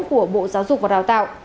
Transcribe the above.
của bộ giáo dục và đào tạo